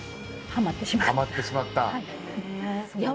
ハマってしまった。